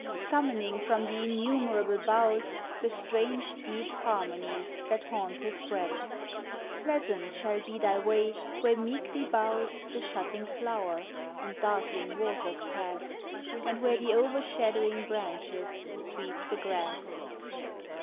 Summoning from the innumerable boughs, The strange deep harmonies that haunt his breast. Pleasant shall be thy way where meekly bows The shutting flower, and darkling waters pass, And where the overshadowing branches sweep tne grass.